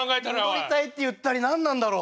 戻りたいって言ったり何なんだろ。